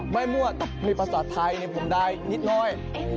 มั่วมีภาษาไทยผมได้นิดน้อย